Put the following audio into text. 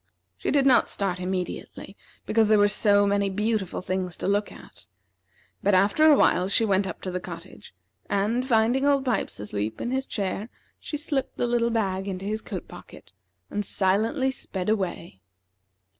She did not start immediately, because there were so many beautiful things to look at; but after a while she went up to the cottage, and, finding Old Pipes asleep in his chair, she slipped the little bag into his coat pocket, and silently sped away.